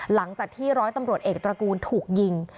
หลังจากที่ร้อยตำรวจเอกตระกูลถูกยิง